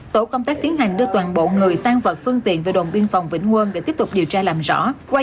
tổ công tác tiến hành đưa toàn bộ người tan vật phương tiện về đồn biên phòng vĩnh quân để tiếp tục điều tra làm rõ